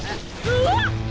うわっ！